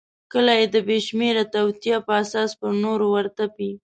کله یې د بېشمیره توطیو په اساس پر نورو ورتپي.